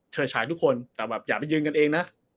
ฉายทุกคนแต่แบบอย่าไปยืนกันเองนะ